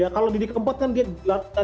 kalau didi kempot kan dia large large